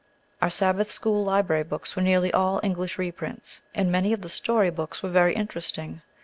Our Sabbath school library books were nearly all English reprints, and many of the story books were very interesting.